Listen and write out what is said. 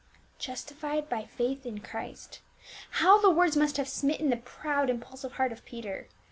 Justified by faith in Christ. How the words must have smitten the proud impulsive heart of Peter.